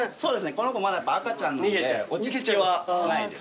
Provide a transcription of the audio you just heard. この子まだ赤ちゃんなんで落ち着きはないです。